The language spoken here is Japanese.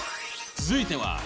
［続いては］